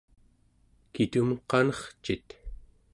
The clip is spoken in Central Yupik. kitumek qanercit?